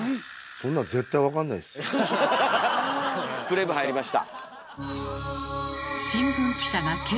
そんなのクレーム入りました。